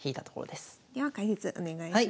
では解説お願いします。